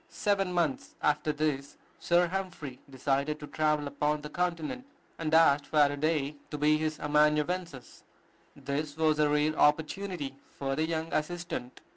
Seven months after this, Sir Humphry decided to travel upon the Continent, and asked Faraday to be his amanuensis. This was a rare opportunity for the young assistant.